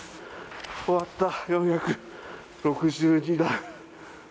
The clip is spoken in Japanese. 終わった、４６２段。